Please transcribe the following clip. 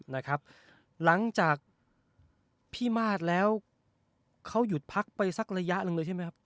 หลังจากพี่มาสแล้วเขาหยุดพักไปสักระยะหนึ่งเลยใช่ไหมครับ